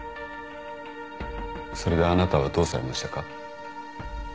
それであなたはどうされましたか。